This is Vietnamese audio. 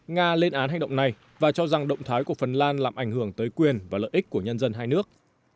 nga lên án hành động này và cho rằng động thái của phần lan làm ảnh hưởng tới quyền và lợi ích của nhân dân hai nước